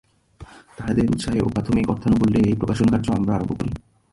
তাঁহাদের উৎসাহে ও প্রাথমিক অর্থানুকূল্যে এই প্রকাশন-কার্য আমরা আরম্ভ করি।